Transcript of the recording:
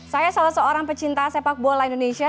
saya salah seorang pecinta sepak bola indonesia